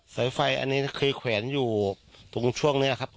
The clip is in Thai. สายไฟอันนี้คือแขวนอยู่ตรงช่วงนี้แหละครับ